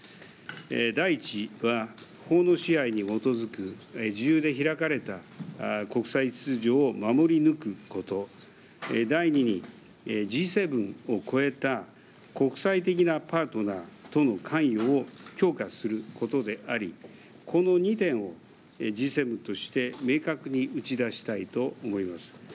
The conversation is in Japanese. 第１は法の支配に基づく自由で開かれた国際秩序を守り抜くこと、第２にＧ７を超えた国際的なパートナーとの関与を強化することでありこの２点をＧ７として明確に打ち出したいと思います。